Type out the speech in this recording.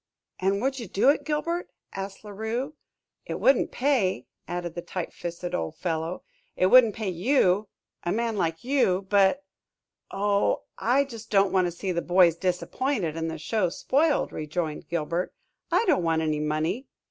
"And would you do it, Gilbert?" asked La Rue. "It wouldn't pay," added the tight fisted old fellow. "It wouldn't pay you a man like you; but " "Oh, I just don't want to see the boys disappointed and the show spoiled," rejoined Gilbert. "I don't want any money."